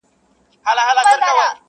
بل وايي چي روغتون ته وړل سوې نه ده,